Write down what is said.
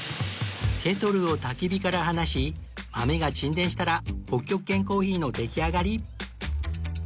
ケトルを焚き火から離し豆が沈殿したら北極圏コーヒーの出来上がり